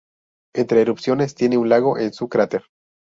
Entre erupciones tiene un lago en su cráter.